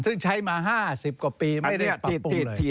ซึ่งใช้มา๕๐กว่าปีไม่ได้ปรับปุ่มเลย